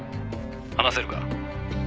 「話せるか？」